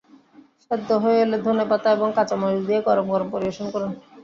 সেদ্ধ হয়ে এলে ধনেপাতা এবং কাঁচা মরিচ দিয়ে গরম গরম পরিবেশন করুন।